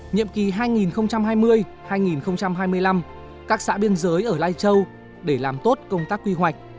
nhiệm kỳ hai nghìn hai mươi hai nghìn hai mươi năm các xã biên giới ở lai châu để làm tốt công tác quy hoạch